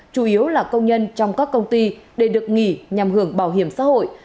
chủ yếu là công nhân trong các công ty để được nghỉ nhằm hưởng bảo hiểm xã hội